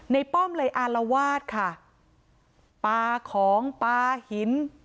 ป้อมเลยอารวาสค่ะปลาของปลาหิน